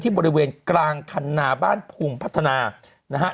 บริเวณกลางคันนาบ้านภูมิพัฒนานะฮะ